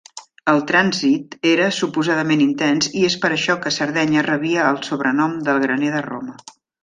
El trànsit era suposadament intens i és per això que Sardenya rebia el sobrenom d'"el graner de Roma".